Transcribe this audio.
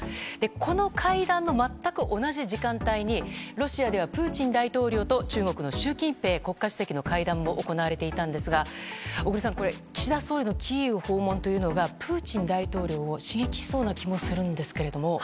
この会談の全く同じ時間帯にロシアではプーチン大統領と中国の習近平国家主席の会談も行われていたんですが、小栗さん岸田総理のキーウ訪問というのがプーチン大統領を刺激しそうな気もするんですけども。